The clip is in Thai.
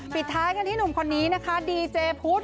ปิดท้ายกันที่หนุ่มคนนี้นะคะดีเจพุทธ